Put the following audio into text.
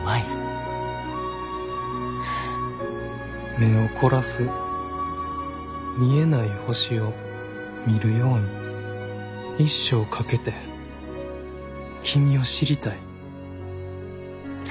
「目を凝らす見えない星を見るように一生かけて君を知りたい」。